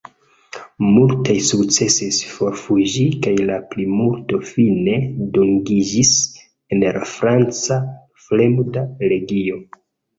Multaj sukcesis forfuĝi kaj la plimulto fine dungiĝis en la franca fremda legio.